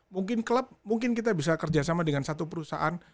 mungkin klub mungkin kita bisa kerjasama dengan satu perusahaan